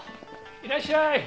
いらっしゃい。